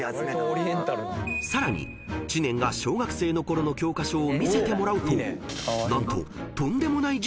［さらに知念が小学生のころの教科書を見せてもらうと何と］